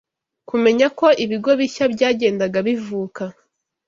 kumenya ko ibigo bishya byagendaga bivuka